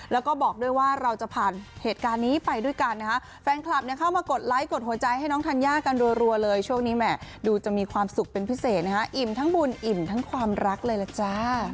แล้วก็บอกด้วยว่าเราจะผ่านเหตุการณ์นี้ไปด้วยกันนะฮะ